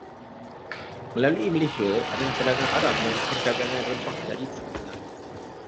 Melalui Malaysia adalah pedagang Arab yang Perdagangan rempah dari Timur Tengah.